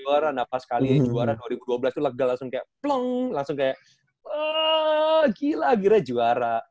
gak bisa juara gak pas sekali juara dua ribu dua belas itu legal langsung kayak plong langsung kayak wah gila akhirnya juara